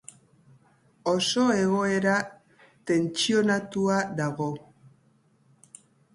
Oso egoera tentsionatua dago.